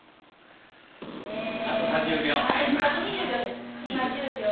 あと３０秒。